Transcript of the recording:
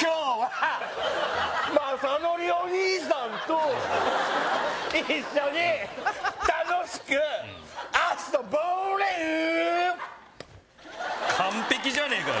今日はまさのりお兄さんと一緒に楽しく遊ぼうねパッ完璧じゃねえかよ